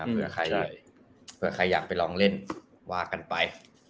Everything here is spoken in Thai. เผื่อใครอยากไปลองเล่นว่ากันไป